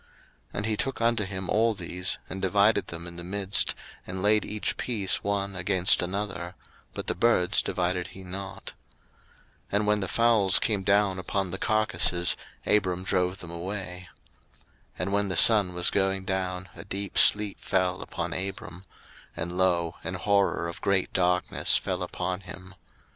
01:015:010 And he took unto him all these, and divided them in the midst, and laid each piece one against another: but the birds divided he not. 01:015:011 And when the fowls came down upon the carcases, Abram drove them away. 01:015:012 And when the sun was going down, a deep sleep fell upon Abram; and, lo, an horror of great darkness fell upon him.